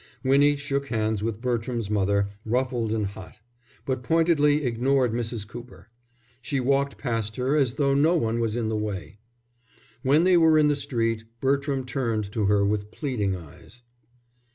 Winnie shook hands with Bertram's mother, ruffled and hot; but pointedly ignored Mrs. Cooper. She walked past her as though no one was in the way. When they were in the street Bertram turned to her with pleading eyes.